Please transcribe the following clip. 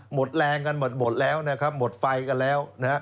หมดแรงกันหมดแล้วหมดไฟกันแล้ว